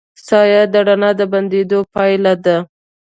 سایه د رڼا د بندېدو پایله ده.